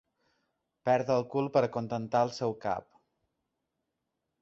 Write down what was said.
Perd el cul per acontentar el seu cap.